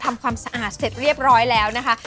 ทำความสะอาดเสร็จเรียบร้อยแล้วนะคะ